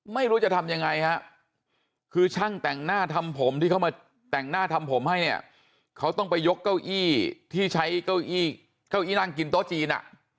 ไม่รู้จะทำยังไงฮะคือช่างแต่งหน้าทำผมที่เขามาแต่งหน้าทำผมให้เนี่ยเขาต้องไปยกเก้าอี้ที่ใช้เก้าอี้เก้าอี้นั่งกินโต๊ะจีนอ่ะ